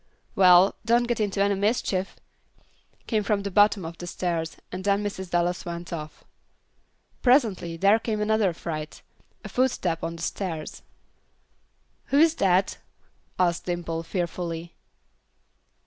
"Well, don't get into any mischief," came from the bottom of the stairs, and then Mrs. Dallas went off. Presently there came another fright: a footstep on the stairs. "Who is that?" asked Dimple, fearfully.